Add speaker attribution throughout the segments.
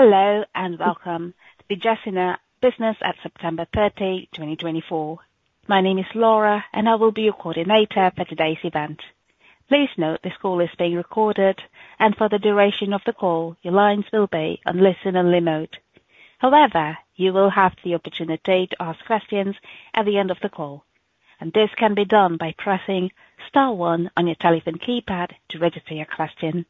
Speaker 1: Hello, and welcome to Gecina Business Update as of September 30, 2024. My name is Laura, and I will be your coordinator for today's event. Please note, this call is being recorded, and for the duration of the call, your lines will be on listen-only mode. However, you will have the opportunity to ask questions at the end of the call, and this can be done by pressing star one on your telephone keypad to register your question.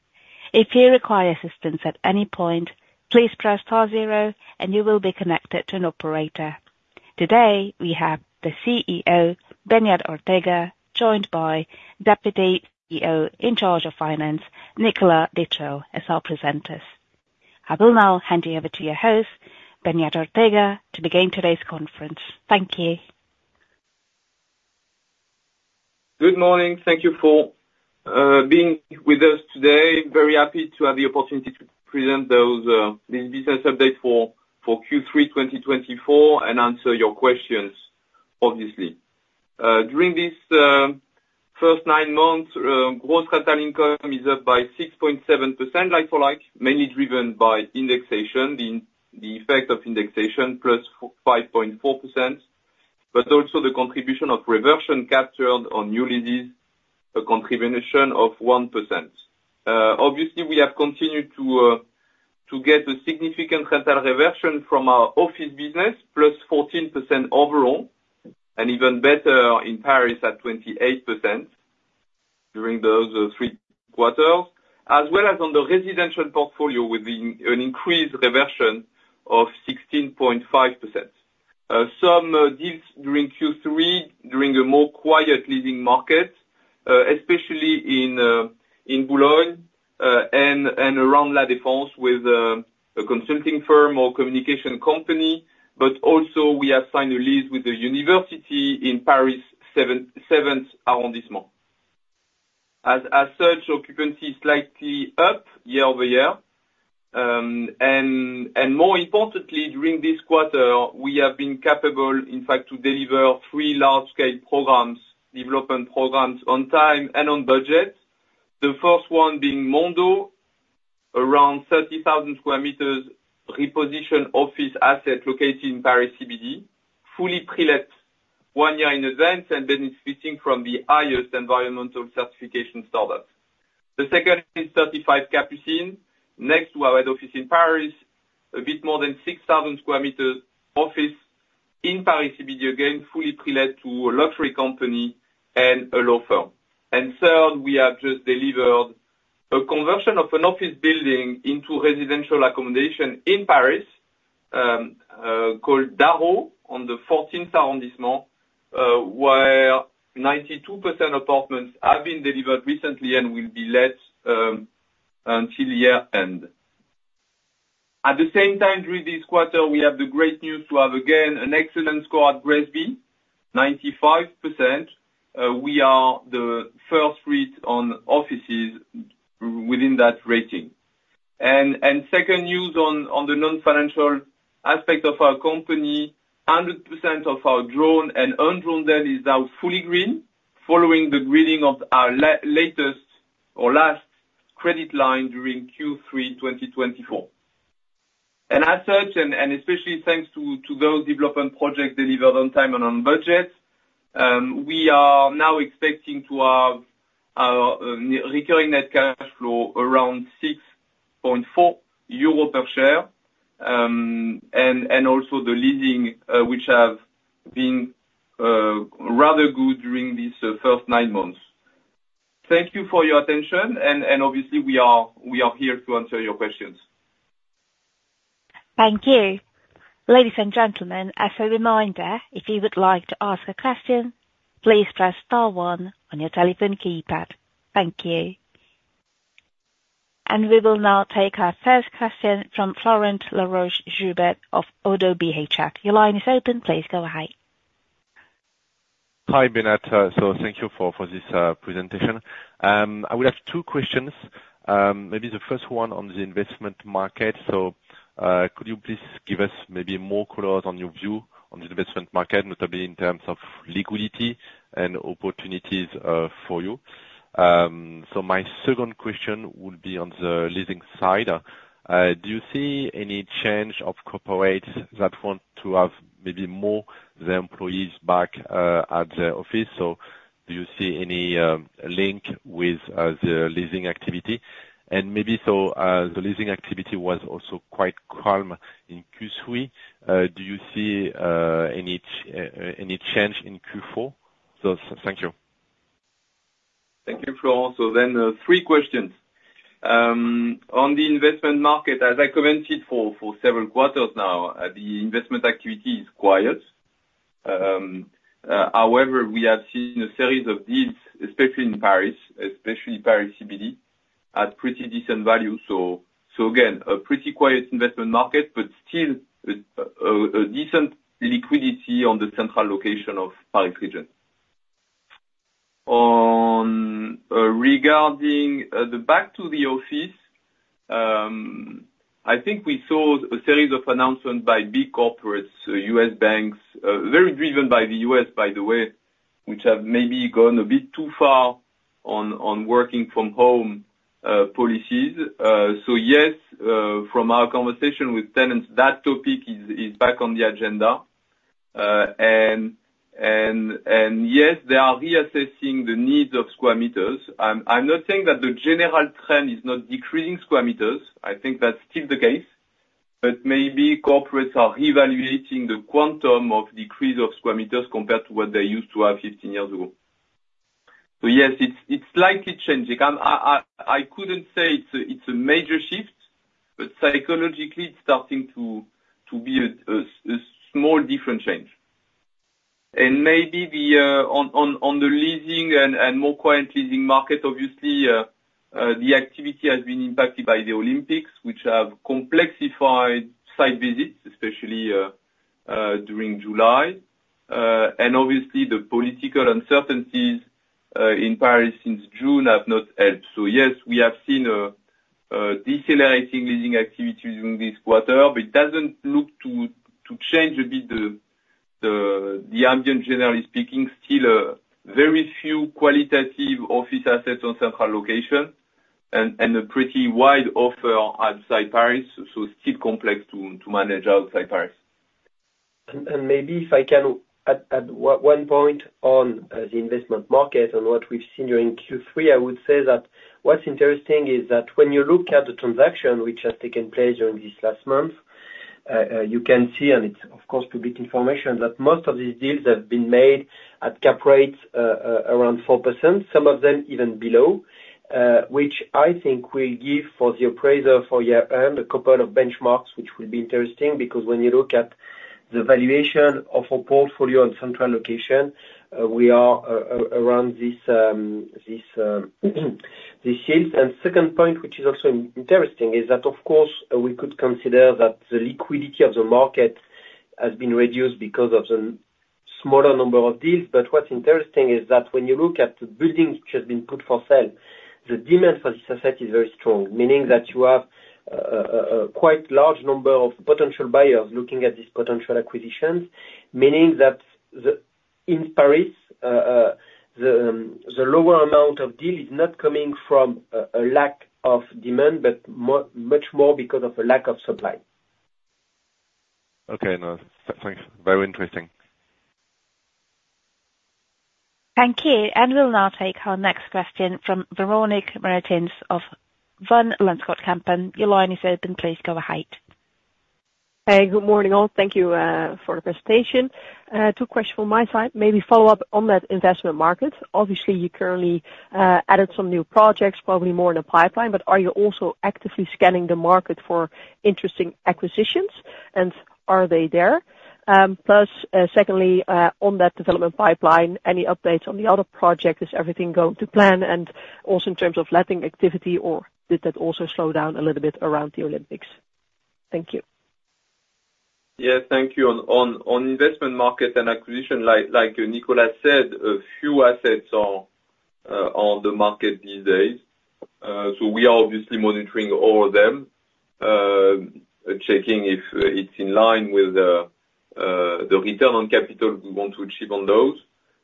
Speaker 1: If you require assistance at any point, please press star zero and you will be connected to an operator. Today, we have the CEO, Beñat Ortega, joined by Deputy CEO in charge of finance, Nicolas Dutreuil, as our presenters. I will now hand you over to your host, Beñat Ortega, to begin today's conference. Thank you.
Speaker 2: Good morning. Thank you for being with us today. Very happy to have the opportunity to present this business update for Q3 2024 and answer your questions, obviously. During this first nine months, gross rental income is up by 6.7% like for like, mainly driven by indexation, the effect of indexation, plus 5.4%, but also the contribution of reversion captured on new leases, a contribution of 1%. Obviously, we have continued to get a significant rental reversion from our office business, +14% overall, and even better in Paris at 28% during those three quarters. As well as on the residential portfolio with an increased reversion of 16.5%. Some deals during Q3, during a more quiet leading market, especially in Boulogne and around La Défense with a consulting firm or communication company, but also we have signed a lease with a university in Paris, seventh arrondissement. As such, occupancy is slightly up year-over-year. And more importantly, during this quarter, we have been capable, in fact, to deliver three large-scale programs, development programs on time and on budget. The first one being Mondo, around 30,000 square meters reposition office asset located in Paris CBD, fully prelet one year in advance and benefiting from the highest environmental certification standards. The second is 35 Capucines, next to our head office in Paris, a bit more than 6,000 square meters office in Paris CBD, again, fully prelet to a luxury company and a law firm. And third, we have just delivered a conversion of an office building into residential accommodation in Paris, called Dareau, on the 14th arrondissement, where 92% apartments have been delivered recently and will be let, until year-end. At the same time, during this quarter, we have the great news to have again, an excellent score at GRESB, 95%. We are the first REIT on offices within that rating. And second news on the non-financial aspect of our company, 100% of our drawn and undrawn debt is now fully green, following the greening of our latest or last credit line during Q3 2024. And as such, especially thanks to those development projects delivered on time and on budget, we are now expecting to have recurring net cash flow around 6.4 euro per share. And also the leasing which have been rather good during these first nine months. Thank you for your attention, and obviously we are here to answer your questions.
Speaker 1: Thank you. Ladies and gentlemen, as a reminder, if you would like to ask a question, please press star one on your telephone keypad. Thank you, and we will now take our first question from Florent Laroche-Joubert of Oddo BHF. Your line is open, please go ahead.
Speaker 3: Hi, Beñat. So thank you for this presentation. I would have two questions. Maybe the first one on the investment market. So could you please give us maybe more colors on your view on the investment market, notably in terms of liquidity and opportunities for you? So my second question would be on the leasing side. Do you see any change of corporates that want to have maybe more their employees back at the office? So do you see any link with the leasing activity? And maybe so the leasing activity was also quite calm in Q3. Do you see any change in Q4? So thank you.
Speaker 2: Thank you, Florent. So then, three questions. On the investment market, as I commented for several quarters now, the investment activity is quiet. However, we have seen a series of deals, especially in Paris, especially Paris CBD, at pretty decent value. So again, a pretty quiet investment market, but still a decent liquidity on the central location of Paris region. On regarding the back to the office, I think we saw a series of announcements by big corporates, U.S. banks, very driven by the U.S., by the way... which have maybe gone a bit too far on working from home policies. So yes, from our conversation with tenants, that topic is back on the agenda. And yes, they are reassessing the needs of square meters. I'm not saying that the general trend is not decreasing square meters. I think that's still the case, but maybe corporates are reevaluating the quantum of decrease of square meters compared to what they used to have fifteen years ago. So yes, it's slightly changing. I couldn't say it's a major shift, but psychologically, it's starting to be a small different change. And maybe on the leasing and more quiet leasing market, obviously, the activity has been impacted by the Olympics, which have complexified site visits, especially during July. And obviously, the political uncertainties in Paris since June have not helped. So yes, we have seen a decelerating leasing activity during this quarter, but it doesn't look to change a bit the ambiance, generally speaking. Still, very few quality office assets on central location and a pretty wide offer outside Paris, so still complex to manage outside Paris.
Speaker 4: Maybe if I can add one point on the investment market and what we've seen during Q3, I would say that what's interesting is that when you look at the transaction which has taken place during this last month, you can see, and it's of course public information, that most of these deals have been made at cap rates around 4%, some of them even below, which I think will give for the appraiser for year end a couple of benchmarks, which will be interesting. Because when you look at the valuation of a portfolio on central location, we are around this year. And second point, which is also interesting, is that of course, we could consider that the liquidity of the market has been reduced because of the smaller number of deals. But what's interesting is that when you look at the buildings which have been put for sale, the demand for this asset is very strong. Meaning that you have a quite large number of potential buyers looking at these potential acquisitions. Meaning that in Paris, the lower amount of deal is not coming from a lack of demand, but much more because of a lack of supply.
Speaker 3: Okay, now thanks. Very interesting.
Speaker 1: Thank you. And we'll now take our next question from Veronika Martins of Van Lanschot Kempen. Your line is open, please go ahead.
Speaker 5: Hey, good morning, all. Thank you for the presentation. Two questions from my side. Maybe follow up on that investment market. Obviously, you currently added some new projects, probably more in the pipeline, but are you also actively scanning the market for interesting acquisitions, and are they there? Plus, secondly, on that development pipeline, any updates on the other project? Is everything going to plan? And also in terms of letting activity, or did that also slow down a little bit around the Olympics? Thank you.
Speaker 2: Yes, thank you. On investment market and acquisition, like Nicholas said, a few assets are on the market these days. So we are obviously monitoring all of them, checking if it's in line with the return on capital we want to achieve on those.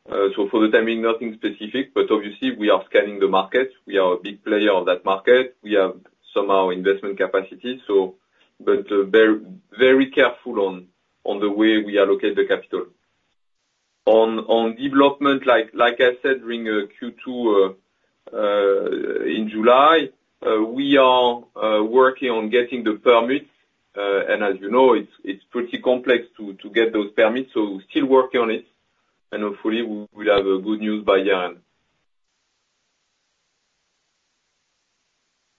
Speaker 2: So for the time being, nothing specific, but obviously, we are scanning the market. We are a big player on that market. We have somehow investment capacity, so but very, very careful on the way we allocate the capital. On development, like I said, during Q2, in July, we are working on getting the permits, and as you know, it's pretty complex to get those permits. So we're still working on it, and hopefully we'll have a good news by year end.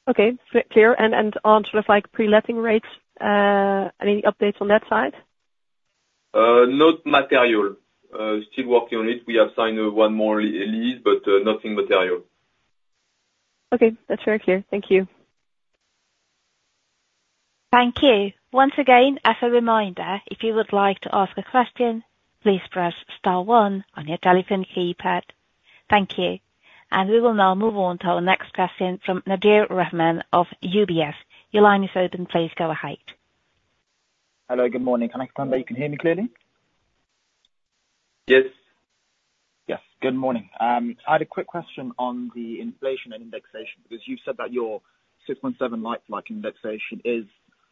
Speaker 5: Okay, clear. And on sort of like pre-letting rates, any updates on that side?
Speaker 2: Not material. Still working on it. We have signed one more lease, but nothing material.
Speaker 5: Okay, that's very clear. Thank you.
Speaker 1: Thank you. Once again, as a reminder, if you would like to ask a question, please press star one on your telephone keypad. Thank you. And we will now move on to our next question from Nadir Rahman of UBS. Your line is open, please go ahead.
Speaker 6: Hello, good morning. Can I confirm that you can hear me clearly?
Speaker 2: Yes.
Speaker 6: Yes, good morning. I had a quick question on the inflation and indexation, because you've said that your 6.7 like-for-like indexation is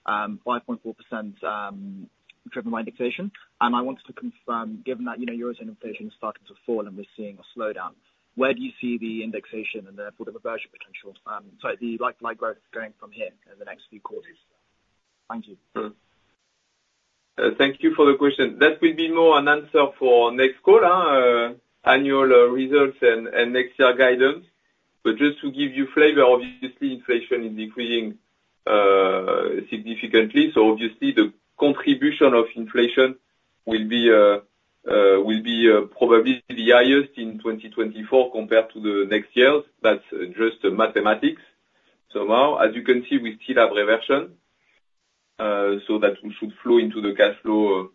Speaker 6: 5.4%, driven by indexation, and I wanted to confirm, given that, you know, Eurozone inflation is starting to fall and we're seeing a slowdown, where do you see the indexation and therefore the reversion potential, sorry, the like-for-like growth going from here in the next few quarters? Thank you.
Speaker 2: Thank you for the question. That will be more an answer for next quarter, annual results and next year guidance. But just to give you flavor, obviously inflation is decreasing significantly. So obviously the contribution of inflation will be probably the highest in 2024 compared to the next years. That's just mathematics. So now, as you can see, we still have reversion, so that we should flow into the cash flow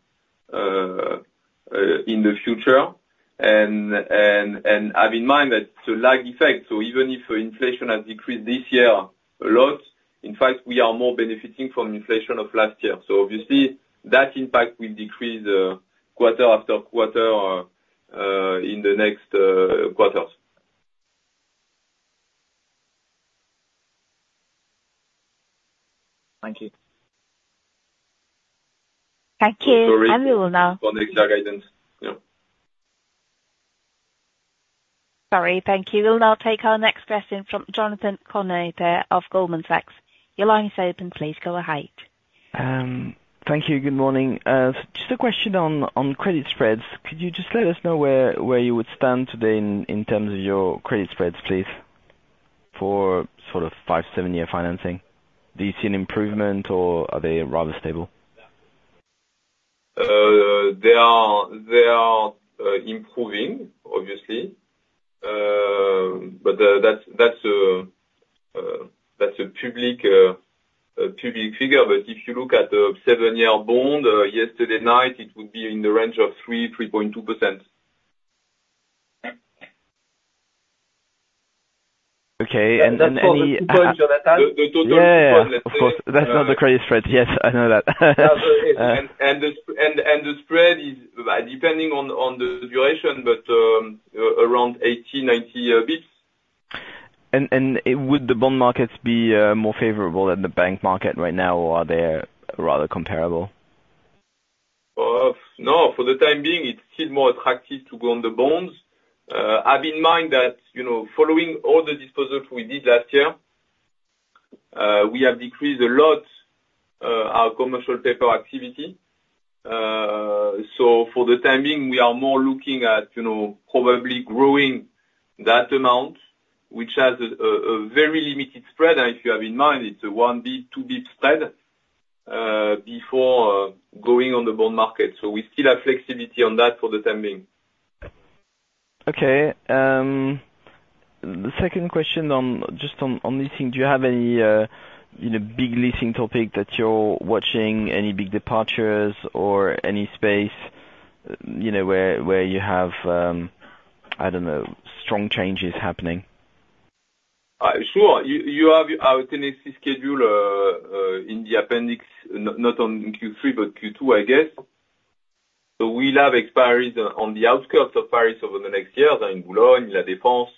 Speaker 2: in the future, and have in mind that it's a lag effect, so even if inflation has decreased this year a lot, in fact, we are more benefiting from inflation of last year. So obviously, that impact will decrease quarter after quarter in the next quarters.
Speaker 6: Thank you.
Speaker 1: Thank you.
Speaker 2: Sorry-
Speaker 1: We will now-
Speaker 2: for the guidance. Yeah.
Speaker 1: Sorry, thank you. We'll now take our next question from Jonathan Kownator of Goldman Sachs. Your line is open, please go ahead.
Speaker 7: Thank you, good morning. Just a question on credit spreads. Could you just let us know where you would stand today in terms of your credit spreads, please, for sort of five, seven-year financing? Do you see an improvement or are they rather stable?
Speaker 2: They are improving, obviously. But that's a public figure. But if you look at the seven-year bond yesterday night, it would be in the range of 3.2%.
Speaker 7: Okay. And any-
Speaker 4: That's for the two point, Jonathan?
Speaker 2: The total-
Speaker 7: Yeah.
Speaker 2: Two point, let's say.
Speaker 7: Of course, that's not the credit spread. Yes, I know that.
Speaker 2: The spread is depending on the duration, but around 80-90 basis points.
Speaker 7: Would the bond markets be more favorable than the bank market right now, or are they rather comparable?
Speaker 2: Well, no, for the time being, it's still more attractive to go on the bonds. Have in mind that, you know, following all the disposals we did last year, we have decreased a lot our commercial paper activity, so for the time being, we are more looking at, you know, probably growing that amount, which has a very limited spread. If you have in mind, it's a one basis point, two basis points spread before going on the bond market, so we still have flexibility on that for the time being.
Speaker 7: Okay. The second question on just on leasing, do you have any, you know, big leasing topic that you're watching? Any big departures or any space, you know, where you have, I don't know, strong changes happening?
Speaker 2: Sure. You have our tenancy schedule in the appendix, not on Q3, but Q2, I guess. So we'll have expiries on the outskirts of Paris over the next year, in Boulogne, La Défense,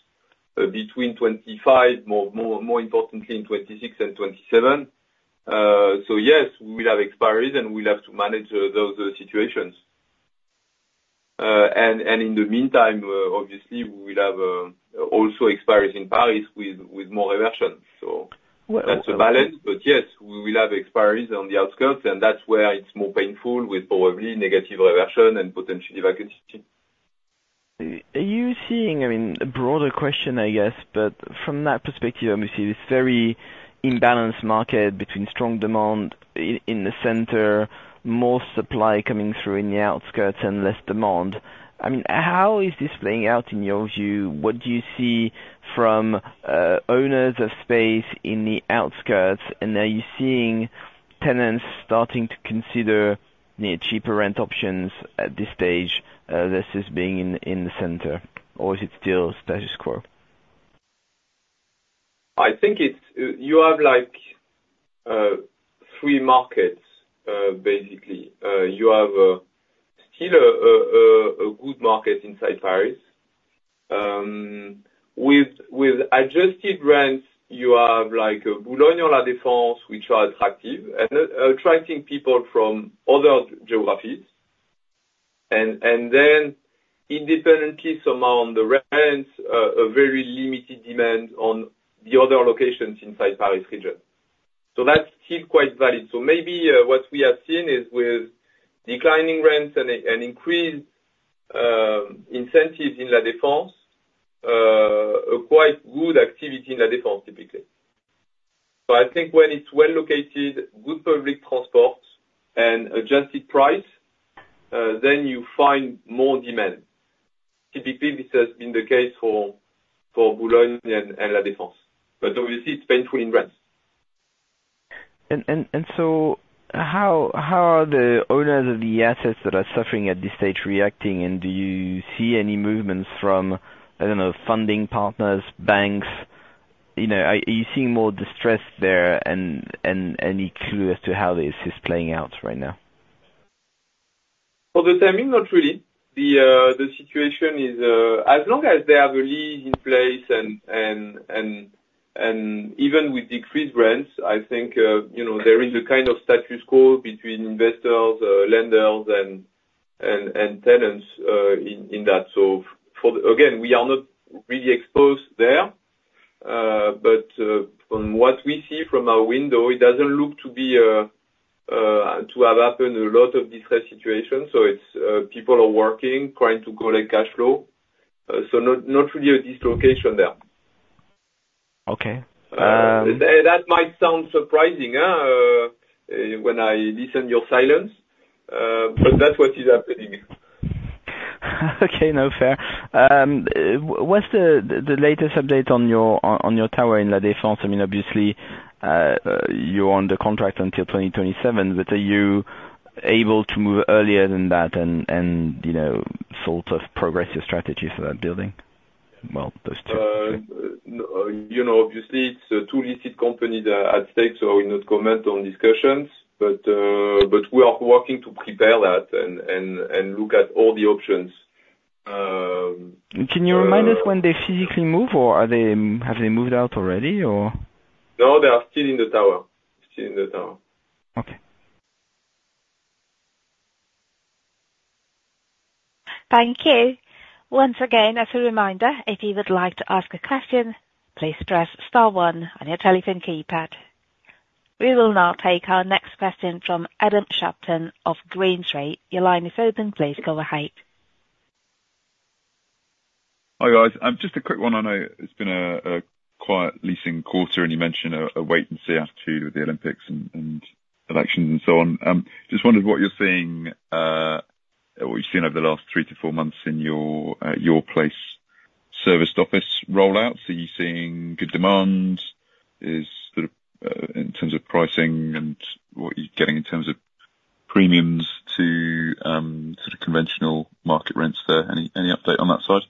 Speaker 2: between 2025, more importantly, in 2026 and 2027. So yes, we have expiries, and we'll have to manage those situations, and in the meantime, obviously, we'll have also expiries in Paris with more reversion. So that's a balance. But yes, we will have expiries on the outskirts, and that's where it's more painful, with probably negative reversion and potential vacancy.
Speaker 7: Are you seeing... I mean, a broader question, I guess, but from that perspective, obviously, this very imbalanced market between strong demand in the center, more supply coming through in the outskirts and less demand. I mean, how is this playing out in your view? What do you see from owners of space in the outskirts, and are you seeing tenants starting to consider, you know, cheaper rent options at this stage versus being in the center, or is it still status quo?
Speaker 2: I think it's you have like three markets basically. You have still a good market inside Paris. With with adjusted rents you have like Boulogne, La Défense, which are attractive and attracting people from other geographies. And then independently so among the rents a very limited demand on the other locations inside Paris region. So that's still quite valid. So maybe what we have seen is with declining rents and increased incentives in La Défense a quite good activity in La Défense typically. So I think when it's well located good public transport and adjusted price then you find more demand. Typically this has been the case for Boulogne and La Défense but obviously it's painful in rents.
Speaker 7: How are the owners of the assets that are suffering at this stage reacting, and do you see any movements from, I don't know, funding partners, banks? You know, are you seeing more distress there and any clue as to how this is playing out right now?
Speaker 4: For the time being, not really. The situation is, as long as they have a lease in place and even with decreased rents, I think, you know, there is a kind of status quo between investors, lenders and tenants, in that. So, again, we are not really exposed there, but from what we see from our window, it doesn't look to have happened a lot of distressed situations. So it's, people are working, trying to collect cash flow, so not really a dislocation there.
Speaker 7: Okay, um-
Speaker 2: That might sound surprising when I listen to your silence, but that's what is happening.
Speaker 7: Okay, no, fair. What's the latest update on your tower in La Défense? I mean, obviously, you're on the contract until twenty twenty-seven, but are you able to move earlier than that and, you know, sort of progress your strategy for that building? ...
Speaker 2: No, you know, obviously it's two listed companies that are at stake, so I will not comment on discussions, but we are working to prepare that and look at all the options...
Speaker 8: Can you remind us when they physically move, or have they moved out already?
Speaker 2: No, they are still in the tower. Still in the tower.
Speaker 8: Okay.
Speaker 1: Thank you. Once again, as a reminder, if you would like to ask a question, please press star one on your telephone keypad. We will now take our next question from Adam Shapton of Green Street. Your line is open. Please go ahead.
Speaker 9: Hi, guys. Just a quick one. I know it's been a quiet leasing quarter, and you mentioned a wait and see attitude with the Olympics and elections and so on. Just wondered what you're seeing, what you've seen over the last three to four months in your place serviced office rollout. So are you seeing good demand? Is sort of in terms of pricing and what you're getting in terms of premiums to sort of conventional market rents there. Any update on that side?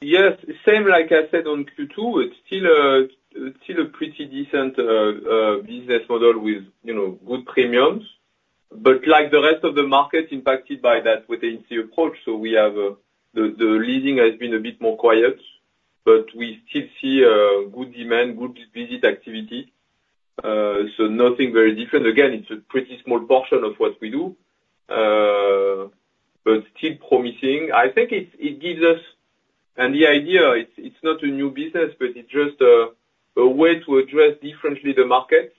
Speaker 2: Yes. Same like I said on Q2. It's still a pretty decent business model with, you know, good premiums. But like the rest of the market, impacted by that approach. So the leasing has been a bit more quiet, but we still see good demand, good visit activity. So nothing very different. Again, it's a pretty small portion of what we do, but still promising. I think it gives us... And the idea, it's not a new business, but it's just a way to address differently the markets,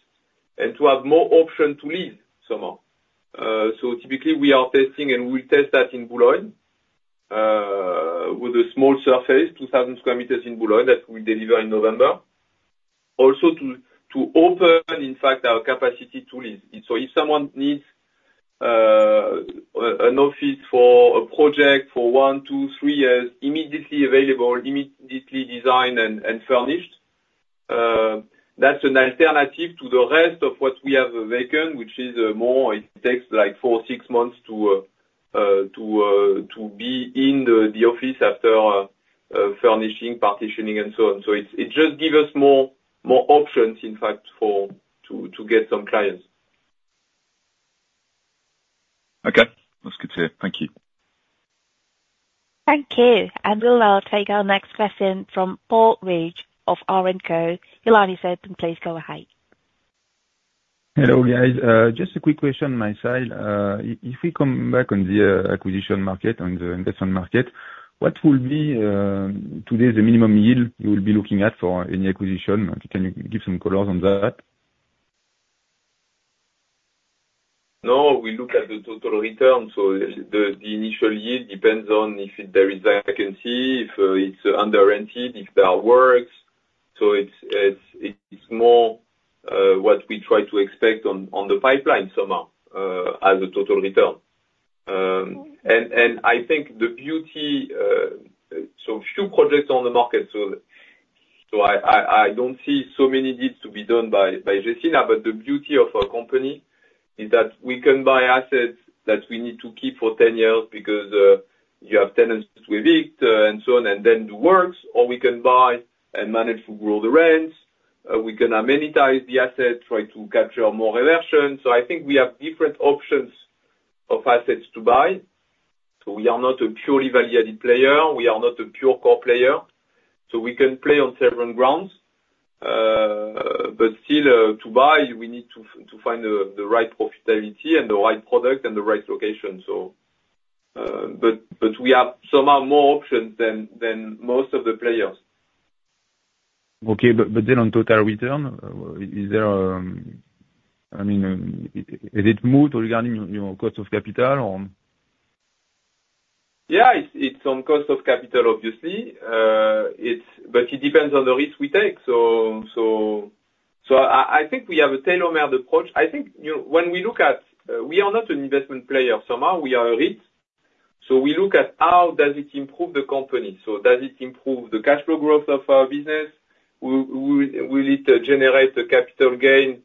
Speaker 2: and to have more options to lease, somehow. So typically we are testing, and we test that in Boulogne, with a small surface, 2,000 square meters in Boulogne, that we deliver in November. Also, to open, in fact, our capacity to lease. So if someone needs an office for a project for one, two, three years, immediately available, immediately designed and furnished, that's an alternative to the rest of what we have vacant, which is more. It takes, like, four-six months to be in the office after furnishing, partitioning, and so on. So it just give us more options, in fact, to get some clients.
Speaker 9: Okay. That's good to hear. Thank you.
Speaker 1: Thank you. And we'll now take our next question from Paul Ridge of R&Co. Your line is open. Please go ahead.
Speaker 10: Hello, guys. Just a quick question my side. If we come back on the acquisition market, on the investment market, what will be today the minimum yield you will be looking at for any acquisition? Can you give some colors on that?
Speaker 2: No, we look at the total return. So the initial yield depends on if there is vacancy, if it's under-rented, if there are works. So it's more what we try to expect on the pipeline, somehow, as a total return. And I think the beauty... so few projects on the market, so I don't see so many deals to be done by Gecina. But the beauty of our company is that we can buy assets that we need to keep for 10 years because you have tenants to evict and so on, and then do works. Or we can buy and manage to grow the rents. We can amenitize the asset, try to capture more revenue. So I think we have different options of assets to buy. So we are not a purely value-added player, we are not a pure core player, so we can play on several grounds. But still, to buy, we need to find the right profitability and the right product and the right location. So, but we have somehow more options than most of the players.
Speaker 10: Okay. But then on total return, is there... I mean, is it more regarding, you know, cost of capital or?
Speaker 2: Yeah, it's on cost of capital, obviously. It's, but it depends on the risk we take. So I think we have a tailor-made approach. I think, you know, when we look at... We are not an investment player. Somehow, we are a REIT, so we look at how does it improve the company? So does it improve the cash flow growth of our business? Will it generate a capital gain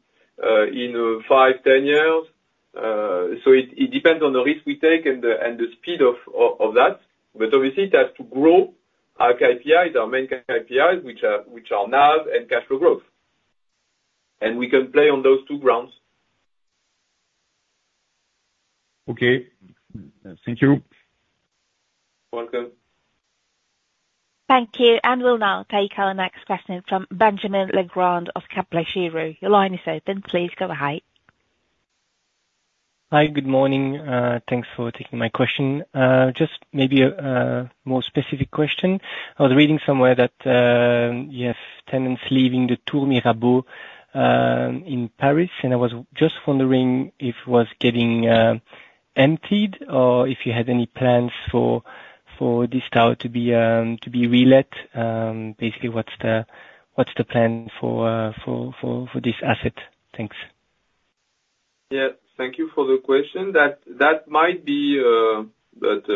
Speaker 2: in five, ten years? So it depends on the risk we take and the speed of that. But obviously it has to grow our KPIs, our main KPIs, which are NAV and cash flow growth. And we can play on those two grounds.
Speaker 10: Okay. Thank you.
Speaker 2: Welcome.
Speaker 1: Thank you. And we'll now take our next question from Benjamin Legrand of Kepler Cheuvreux. Your line is open. Please go ahead.
Speaker 8: Hi, good morning. Thanks for taking my question. Just maybe a more specific question. I was reading somewhere that you have tenants leaving the Tour Mirabeau in Paris, and I was just wondering if it was getting emptied, or if you had any plans for this tower to be relet? Basically, what's the plan for this asset? Thanks.
Speaker 2: Yeah, thank you for the question. That might be, but,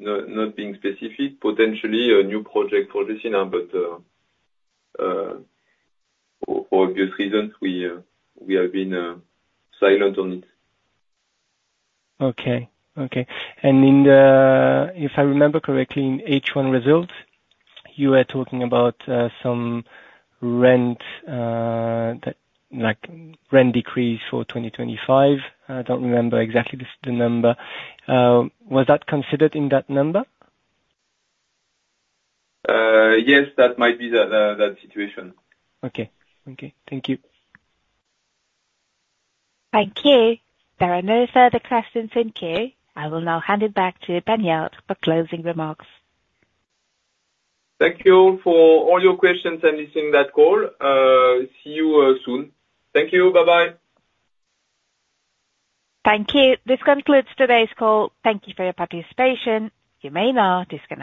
Speaker 2: not being specific, potentially a new project for Gecina, but, for obvious reasons, we have been silent on it.
Speaker 8: Okay. Okay. And in the... If I remember correctly, in H1 results, you were talking about some rent that like rent decrease for 2025. I don't remember exactly the number. Was that considered in that number?
Speaker 2: Yes, that might be the that situation.
Speaker 8: Okay. Okay, thank you.
Speaker 1: Thank you. There are no further questions in queue. I will now hand it back to Beñat Ortega for closing remarks.
Speaker 2: Thank you for all your questions and listening that call. See you soon. Thank you. Bye-bye.
Speaker 1: Thank you. This concludes today's call. Thank you for your participation. You may now disconnect.